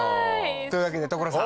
というわけで所さん。